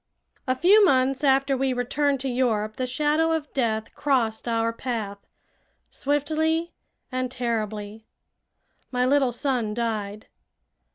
A few months after we returned to Europe the shadow of death crossed our path, swiftly and terribly. My little son died.